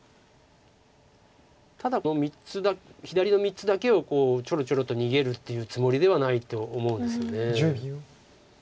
ただこの３つ左の３つだけをちょろちょろと逃げるっていうつもりではないと思うんですよね。